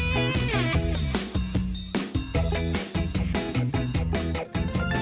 สวัสดีครับ